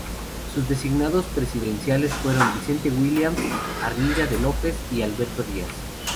Sus designados presidenciales fueron: Vicente Williams, Armida de López y Alberto Díaz.